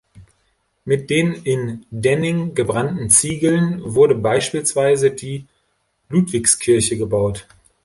Mit den in Denning gebrannten Ziegeln wurde beispielsweise die Ludwigskirche gebaut.